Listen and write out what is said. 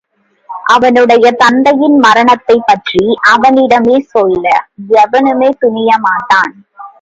அவனுடைய தந்தையின் மரணத்தைப்பற்றி அவனிடமே சொல்ல எவனுமே துணியமாட்டான்.